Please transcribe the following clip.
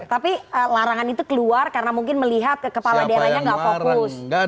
tapi larangan itu keluar karena mungkin melihat kepala daerahnya nggak fokus